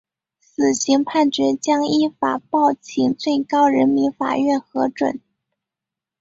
死刑判决将依法报请最高人民法院核准。